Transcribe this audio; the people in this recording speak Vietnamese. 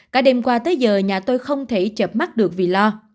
cả đêm qua tới giờ nhà tôi không thể chập mắt được vì lo